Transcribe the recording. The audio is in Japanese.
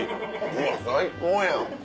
うわ最高やん。